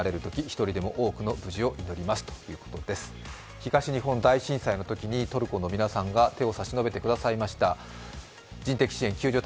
東日本大震災のときにトルコの皆さんが手を差し伸べてくださいました。